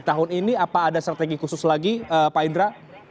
tahun ini apa ada strategi khusus lagi pak indra